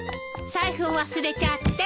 財布を忘れちゃって。